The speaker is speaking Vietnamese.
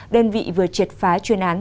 đơn vị vừa triệt phá chuyên án